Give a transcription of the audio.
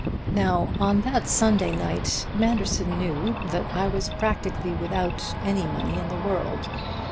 "Now on that Sunday night Manderson knew that I was practically without any money in the world.